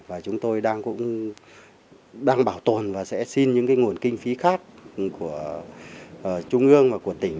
và chúng tôi đang cũng đang bảo tồn và sẽ xin những nguồn kinh phí khác của trung ương và của tỉnh